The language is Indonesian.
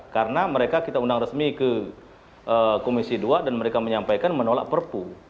karena mereka kita undang resmi ke komisi dua dan mereka menyampaikan menolak perpu